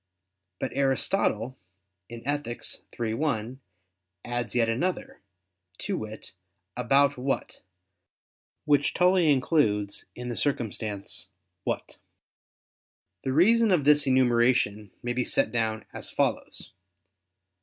But Aristotle in Ethic. iii, 1 adds yet another, to wit, "about what," which Tully includes in the circumstance "what." The reason of this enumeration may be set down as follows.